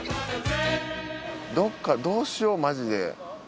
どっかどうしようマジで。